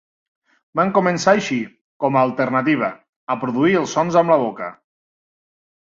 Van començar així, com a alternativa, a produir els sons amb la boca.